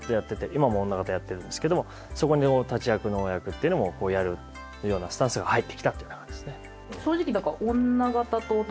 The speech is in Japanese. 今も女方やってるんですけどもそこの立役のお役っていうのもやるようなスタンスが入ってきたと。